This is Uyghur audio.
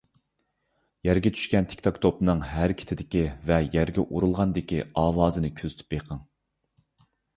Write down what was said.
يەرگە چۈشكەن تىكتاك توپنىڭ، ھەرىكىتىدىكى ۋە يەرگە ئۇرۇلغاندىكى ئاۋازىنى كۆزىتىپ بېقىڭ.